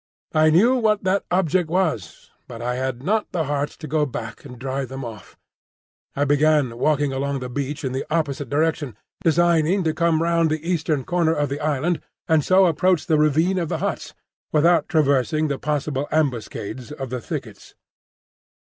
I knew what that object was, but I had not the heart to go back and drive them off. I began walking along the beach in the opposite direction, designing to come round the eastward corner of the island and so approach the ravine of the huts, without traversing the possible ambuscades of the thickets.